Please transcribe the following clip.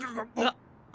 あ！？